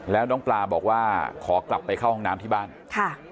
แล้วน้องปลาบอกว่าขอกลับไปเข้าห้องน้ำที่บ้านค่ะ